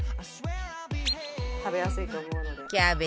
食べやすいと思うので。